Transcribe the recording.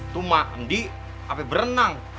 tuh mak mandi sampe berenang